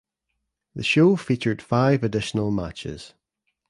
The show featured five additional matches.